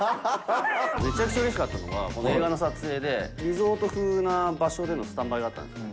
めちゃくちゃうれしかったのが、この映画の撮影で、リゾート風な場所でのスタンバイがあったんですね。